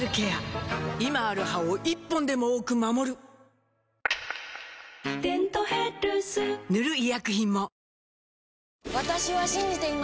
今ある歯を１本でも多く守る「デントヘルス」塗る医薬品も